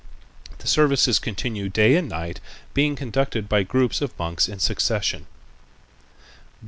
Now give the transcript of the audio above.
The services continue day and night, being conducted by groups of monks in succession.